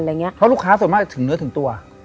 เพราะลูกค้าส่วนมากถึงเนื้อถึงตัว